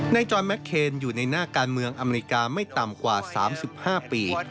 จอนแมคเคนอยู่ในหน้าการเมืองอเมริกาไม่ต่ำกว่า๓๕ปี